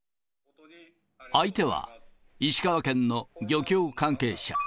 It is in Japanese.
相手は、石川県の漁協関係者。